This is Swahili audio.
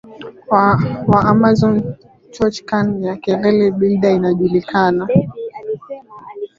wa Amazon toucan ya keel billed inajulikana